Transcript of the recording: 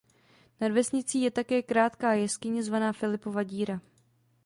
Nad vesnicí je také krátká jeskyně zvaná Filipova díra.